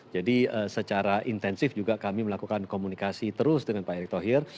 jadi secara intensif juga kami melakukan komunikasi terus dengan pak erick thohir